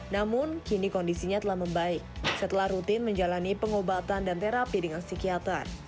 namun kini kondisinya telah membaik setelah rutin menjalani pengobatan dan terapi dengan psikiater